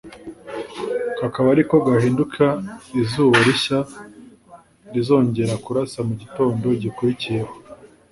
kakaba ariko gahinduka izuba rishya rizongera kurasa mu gitondo gikurikiyeho